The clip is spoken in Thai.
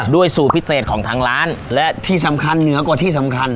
สูตรพิเศษของทางร้านและที่สำคัญเหนือกว่าที่สำคัญ